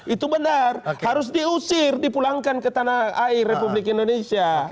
itu benar harus diusir dipulangkan ke tanah air republik indonesia